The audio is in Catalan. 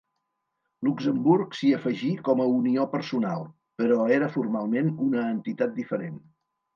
Luxemburg s'hi afegí com a unió personal, però era formalment una entitat diferent.